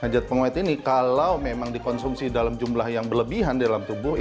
jad pengawet ini kalau dikonsumsi dalam jumlah yang berlebihan di dalam tubuh